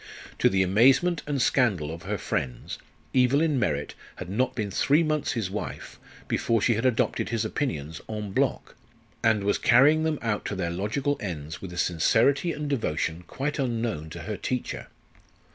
To the amazement and scandal of her friends, Evelyn Merritt had not been three months his wife before she had adopted his opinions en bloc, and was carrying them out to their logical ends with a sincerity and devotion quite unknown to her teacher.